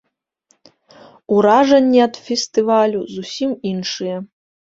Уражанні ад фестывалю зусім іншыя.